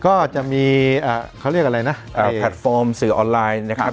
ก็จะมีเขาเรียกอะไรนะแพลตฟอร์มสื่อออนไลน์นะครับ